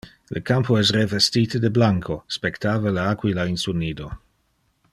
Le campo es revestite de blanco; spectava le aquila in su nido.